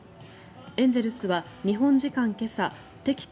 エンゼルスは日本時間今朝敵地